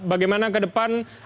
bagaimana ke depan